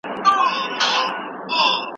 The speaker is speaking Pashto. حکومتونه تل د خلګو په مستقيمه رايه ټاکل کېدل.